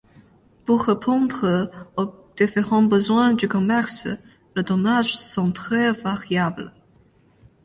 Pour répondre aux différents besoins du commerce, les tonnages sont très variables.